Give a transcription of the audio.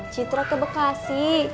citra ke bekasi